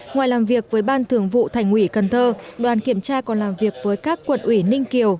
ngoài làm việc với ban thường vụ thành ủy cần thơ đoàn kiểm tra còn làm việc với các quận ủy ninh kiều